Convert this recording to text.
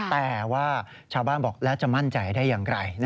แต่ว่าชาวบ้านบอกแล้วจะมั่นใจได้อย่างไร